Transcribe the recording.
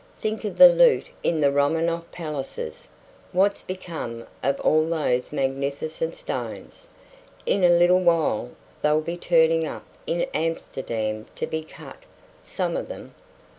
"Think of the loot in the Romanoff palaces! What's become of all those magnificent stones? In a little while they'll be turning up in Amsterdam to be cut some of them.